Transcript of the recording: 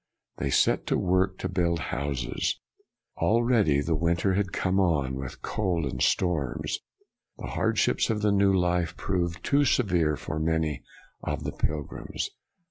They set to work to build houses. Already the winter had come on, with cold and storms. The hardships of the new life proved too severe for many of the pil grims.